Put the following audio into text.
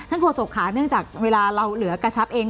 โฆษกค่ะเนื่องจากเวลาเราเหลือกระชับเอง